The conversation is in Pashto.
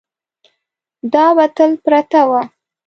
دا به تل پرته وه.